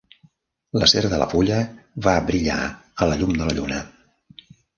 L'acer de la fulla va brillar a la llum de la lluna.